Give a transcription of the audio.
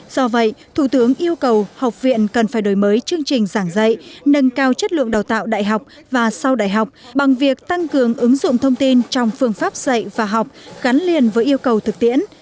do vậy thủ tướng yêu cầu học viện cần phải đổi mới chương trình giảng dạy nâng cao chất lượng đào tạo đại học và sau đại học bằng việc tăng cường ứng dụng thông tin trong phương pháp dạy và học gắn liền với yêu cầu thực tiễn